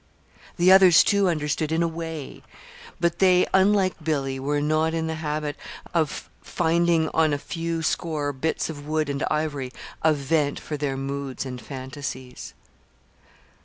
The others, too, understood in a way; but they, unlike Billy, were not in the habit of finding on a few score bits of wood and ivory a vent for their moods and fancies.